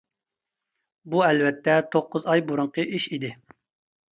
بۇ ئەلۋەتتە توققۇز ئاي بۇرۇنقى ئىش ئىدى.